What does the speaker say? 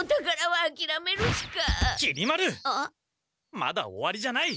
まだ終わりじゃない！